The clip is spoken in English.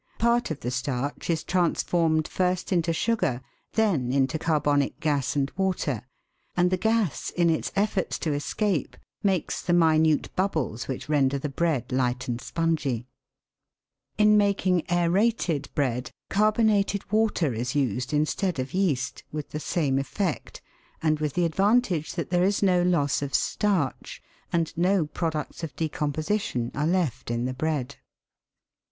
Part of the starch is transformed first into sugar, then into carbonic gas and water, and the gas in its efforts to escape makes the minute bubbles which render the bread light and spongy. FERMENTATION AND PUTREFACTION. 177 In making aerated bread, carbonated water is used instead of yeast, with the same effect, and with the advantage that there is no loss of starch, and no products of decomposition are left in the bread.